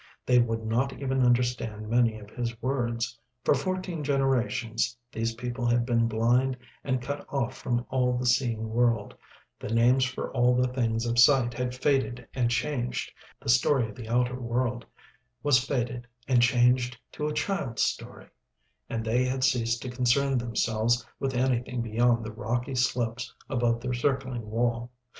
They would not even understand many of his words. For fourteen generations these people had been blind and cut off from all the seeing world; the names for all the things of sight had faded and changed; the story of the outer world was faded and changed to a child's story; and they had ceased to concern themselves with anything beyond the rocky slopes above their circling wall.